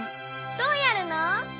どうやるの？